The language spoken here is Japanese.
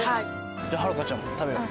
じゃあハルカちゃんも食べよう。